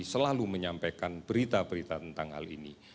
selalu menyampaikan berita berita tentang hal ini